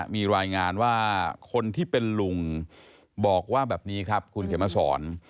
มีรายงานว่าคนที่เป็นลุงบอกว่าแบบนี้ครับคุณเขมสอน